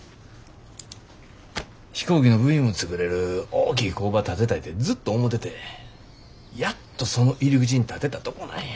飛行機の部品も作れる大きい工場建てたいてずっと思ててやっとその入り口に立てたとこなんや。